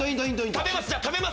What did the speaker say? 食べます！